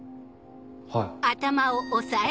はい。